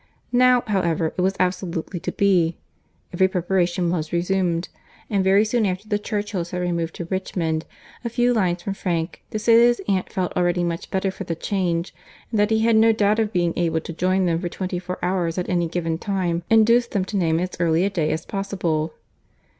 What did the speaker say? Now, however, it was absolutely to be; every preparation was resumed, and very soon after the Churchills had removed to Richmond, a few lines from Frank, to say that his aunt felt already much better for the change, and that he had no doubt of being able to join them for twenty four hours at any given time, induced them to name as early a day as possible.